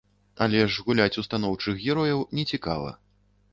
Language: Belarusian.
Але ж гуляць у станоўчых герояў нецікава.